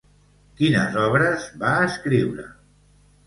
Quines obres va escriure?